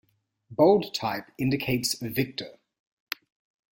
Bold type indicates victor.